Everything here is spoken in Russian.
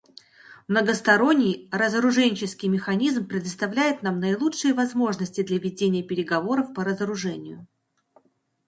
Многосторонний разоруженческий механизм предоставляет нам наилучшие возможности для ведения переговоров по разоружению.